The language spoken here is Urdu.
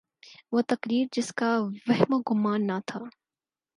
وہ تقریر جس کا وہم و گماں نہ تھا۔